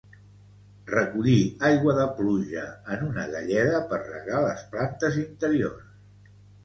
Recollir aigua de pluja en una galleda per regar les plantes interiors